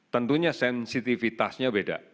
tentunya sensitivitasnya beda